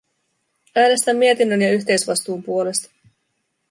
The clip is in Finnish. Äänestän mietinnön ja yhteisvastuun puolesta.